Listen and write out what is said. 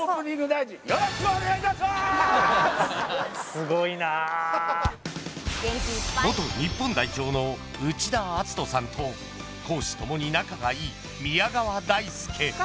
大事元日本代表の内田篤人さんと公私共に仲がいい宮川大輔